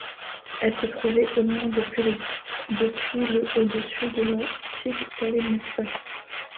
Elle se trouvait au moins depuis le au-dessus de l'antique palais municipal.